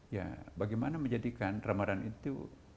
ya bagaimana menjadikan ramadan itu